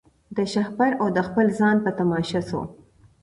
د شهپر او د خپل ځان په تماشا سو